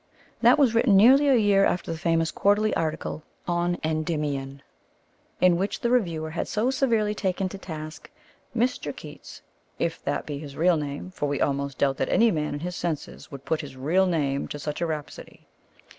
That was written nearly a year after the famous Quarterly article on Endymion, in which the reviewer had so severely taken to task "Mr. Keats (if that be his real name, for we almost doubt that any man in his senses would put his real name to such a rhapsody)."